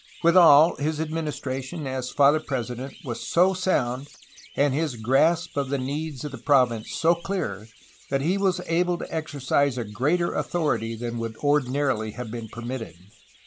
Withal, his administration as Father President was so sound and his grasp of the needs of the province so clear that he was able to exercise a greater authority than would ordinarily have been permitted.